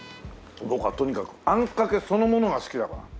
僕はとにかくあんかけそのものが好きだから。